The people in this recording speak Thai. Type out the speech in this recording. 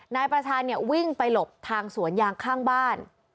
นายประชาเนี่ยวิ่งไปหลบทางสวนยางข้างบ้าน